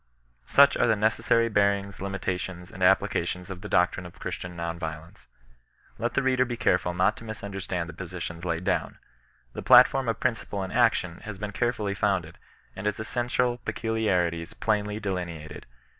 Such are the necessary bearings, limitations, and ap plications of the doctrine of Christian non resistance. Iiet the reader be careful not to misunderstand the posi tions laid down. The platform of principle and action has been carefully founded, and its essential peculiarities plainly delineated.